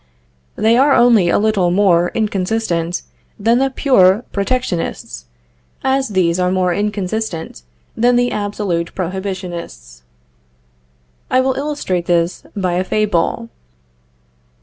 They are only a little more inconsistent than the pure protectionists, as these are more inconsistent than the absolute prohibitionists. I will illustrate this by a fable.